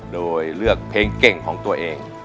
โดยเลือกเพลงเก่งของตัวเอง